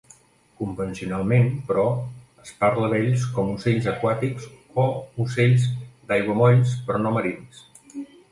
Convencionalment, però, es parla d'ells com ocells aquàtics o ocells d'aiguamolls però no marins.